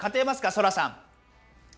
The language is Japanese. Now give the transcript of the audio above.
ソラさん。